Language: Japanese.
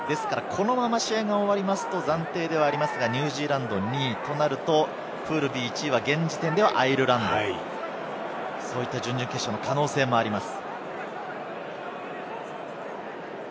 このまま試合が終わると暫定ではありますが、ニュージーランドが２位となると、プールＢの１位は現時点ではアイルランド、そういった準々決勝の可能性があります。